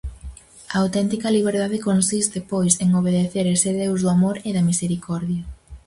A auténtica liberdade consiste, pois, en obedecer ese Deus do amor e da misericordia.